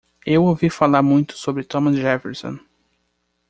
Eu ouvir falar muito sobre Thomas Jefferson.